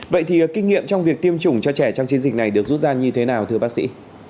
vậy thì kinh nghiệm trong việc tiêm chủng cho trẻ trong chiến dịch này được rút ra như thế nào thưa bác sĩ